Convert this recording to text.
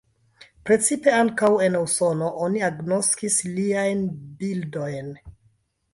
Precipe ankaŭ en Usono oni agnoskis liajn bildojn.